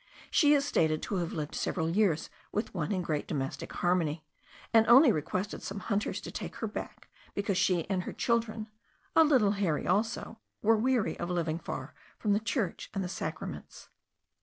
She is stated to have lived several years with one in great domestic harmony, and only requested some hunters to take her back, because she and her children (a little hairy also) were weary of living far from the church and the sacraments.